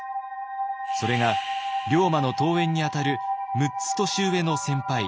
それが龍馬の遠縁にあたる６つ年上の先輩